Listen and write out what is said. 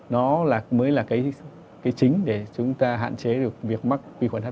nó mới là cái chính để chúng ta hạn chế được việc mắc vi khuẩn hc